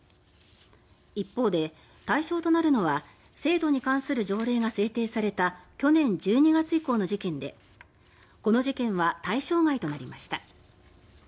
一方で対象となるのは制度に関する条例が制定された去年１２月以降の事件でこの事件は対象外となりました。